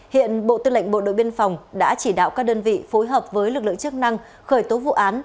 hiện bộ tư lệnh bộ đội biên phòng đã chỉ đạo các đơn vị phối hợp với lực lượng chức năng khởi tố vụ án